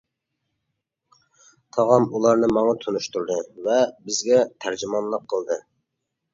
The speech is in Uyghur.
تاغام ئۇلارنى ماڭا تونۇشتۇردى ۋە بىزگە تەرجىمانلىق قىلدى.